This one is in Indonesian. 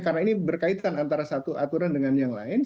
karena ini berkaitan antara satu aturan dengan yang lain